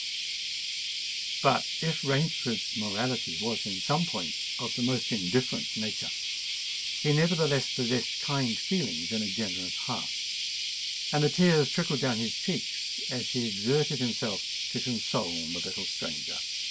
But if Rainford's morality was in some points of the most indifferent nature, he nevertheless possessed kind feelings and a generous heart; and the tears trickled down his cheeks, as he exerted himself to console the little stranger.